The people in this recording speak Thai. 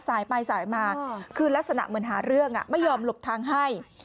สายไปสายมาคือลักษณะเหมือนหาเรื่องไม่ยอมหลบทางให้